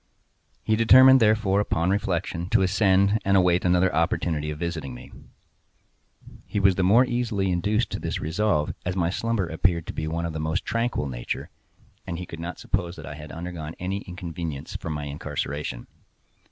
He determined, therefore, upon reflection, to ascend, and await another opportunity of visiting me. He was the more easily induced to this resolve, as my slumber appeared to be of the most tranquil nature, and he could not suppose that I had undergone any inconvenience from my incarceration.